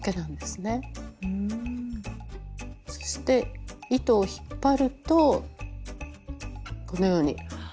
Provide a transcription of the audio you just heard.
そして糸を引っ張るとこのように。